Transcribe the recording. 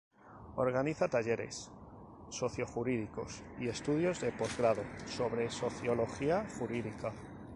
Organiza talleres socio-jurídicos y estudios de posgrado sobre sociología jurídica.